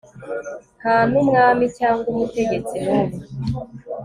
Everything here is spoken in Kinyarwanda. nta n'umwami cyangwa umutegetsi n'umwe